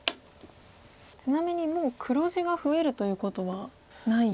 ちなみにもう黒地が増えるということはない。